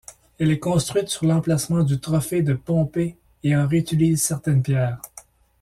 Elle est construite sur l'emplacement du trophée de Pompée et en réutilise certaines pierres.